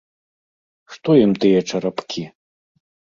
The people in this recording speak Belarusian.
Што ім тыя чарапкі?